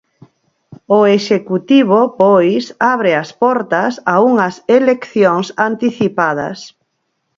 O executivo, pois, abre as portas a unhas eleccións anticipadas.